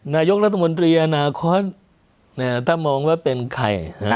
นายกรัฐมนตรีอนาคตถ้ามองว่าเป็นใคร